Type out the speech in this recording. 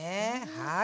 はい。